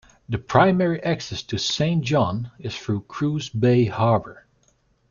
The primary access to Saint John is through Cruz Bay Harbor.